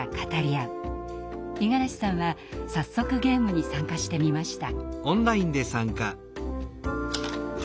五十嵐さんは早速ゲームに参加してみました。